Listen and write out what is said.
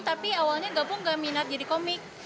tapi awalnya gabung gak minat jadi komik